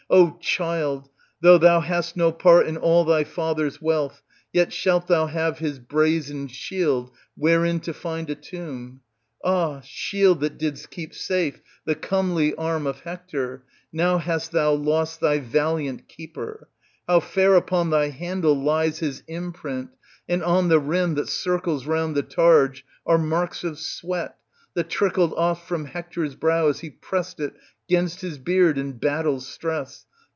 O child, though thou hast no part in all thy father's wealth, yet shalt thou have his brazen shield wherein to find a tomb. Ah ! shield that didst keep safe the comely arm of Hector, now hast thou lost thy vahant keeper! How fair upon thy handle lies his imprint, and on the rim, that circles round the targe, are marks of sweat, that trickled oft from Hector's brow as he pressed it 'gainst his beard in battle's stress.